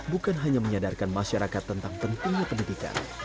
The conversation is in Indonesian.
bukan hanya menyadarkan masyarakat tentang pentingnya pendidikan